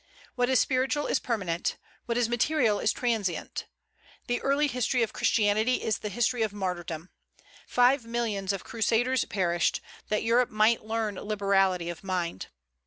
What is spiritual is permanent; what is material is transient. The early history of Christianity is the history of martyrdom. Five millions of Crusaders perished, that Europe might learn liberality of mind.